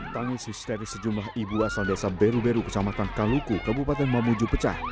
tangis histeris sejumlah ibu asal desa beru beru kecamatan kaluku kabupaten mamuju pecah